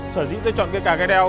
sở dĩ tôi chọn cây cà gai leo